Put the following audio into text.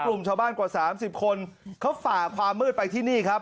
กลุ่มชาวบ้านกว่า๓๐คนเขาฝ่าความมืดไปที่นี่ครับ